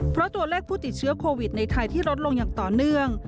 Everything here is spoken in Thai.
เพราะตัวเลขผู้ติดเชื้อโควิดในไทยที่ลดลงอย่างต่อเนื่อง